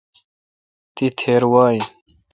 تی تھیر وا این۔